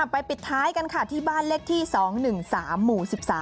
ปิดท้ายกันค่ะที่บ้านเลขที่๒๑๓หมู่๑๓